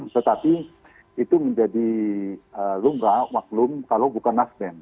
tetapi itu menjadi lumrah maklum kalau bukan nasdem